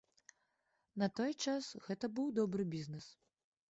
На той час гэта быў добры бізнес.